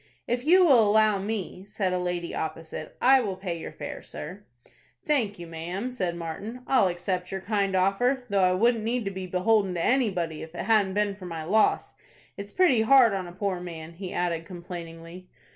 "If you will allow me," said a lady opposite, "I will pay your fare, sir." "Thank you, ma'am," said Martin. "I'll accept your kind offer, though I wouldn't need to be beholden to anybody, if it hadn't been for my loss. It's pretty hard on a poor man," he added, complainingly.